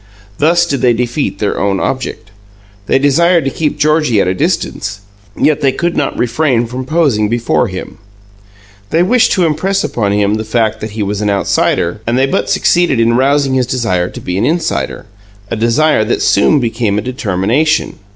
Thus did they defeat their own object. They desired to keep Georgie at a distance, yet they could not refrain from posing before him. They wished to impress upon him the fact that he was an outsider, and they but succeeded in rousing his desire to be an insider, a desire that soon became a determination.